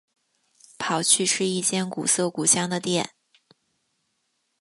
跑去吃一间古色古香的店